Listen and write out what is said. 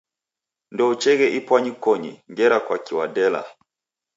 Ndoucheeghe ipwanyikonyi ngera kwaki wadela?